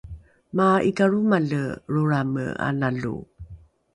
maa’ikalromale lrolrame analo